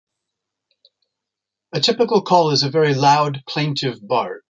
A typical call is a very loud, plaintive bark.